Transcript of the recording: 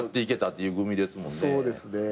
そうですね。